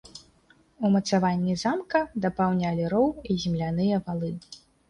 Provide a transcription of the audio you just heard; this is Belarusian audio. Умацаванні замка дапаўнялі роў і земляныя валы.